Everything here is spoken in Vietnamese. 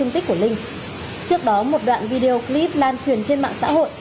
trước đó một đoạn video clip lan truyền trên mạng xã hội